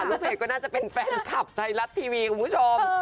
ลูกเพจก็น่าจะเป็นแฟนคลับไทยรัฐทีวีคุณผู้ชม